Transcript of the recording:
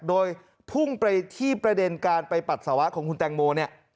โดยพุ่งไปที่ประเด็นการไปปัสสาวะของคุณแตงโมเนี่ย